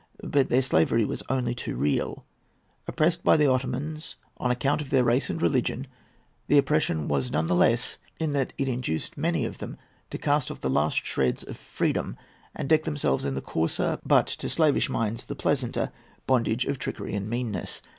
But their slavery was only too real. Oppressed by the Ottomans on account of their race and their religion, the oppression was none the less in that it induced many of them to cast off the last shreds of freedom and deck themselves in the coarser, but, to slavish minds, the pleasanter bondage of trickery and meanness.